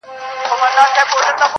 ستا د رخسار په ائينه کي مُصور ورک دی_